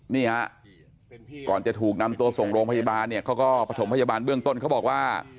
นี่ฮะก่อนจะถูกนำตัวส่งโรงพยาบาลเนี่ยเขาก็ประถมพยาบาลเบื้องต้นเขาบอกว่า